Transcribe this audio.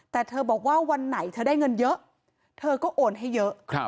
แต่เธอบอกว่าวันไหนเธอได้เงินเยอะเธอก็โอนให้เยอะ